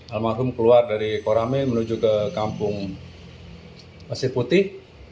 almarhum keluar dari korame menuju ke kampung pasir putih